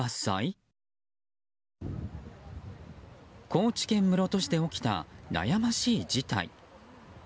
高知県室戸市で起きた悩ましい事態。